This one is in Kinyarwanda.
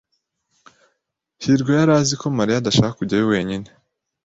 hirwa yari azi ko Mariya adashaka kujyayo wenyine.